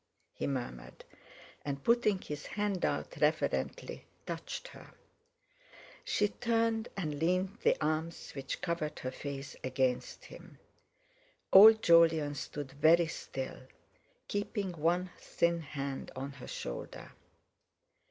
he murmured, and putting his hand out reverently, touched her. She turned, and leaned the arms which covered her face against him. Old Jolyon stood very still, keeping one thin hand on her shoulder.